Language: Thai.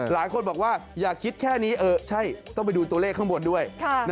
หลายคนบอกว่าอย่าคิดแค่นี้ใช่ต้องไปดูตัวเลขข้างบนด้วย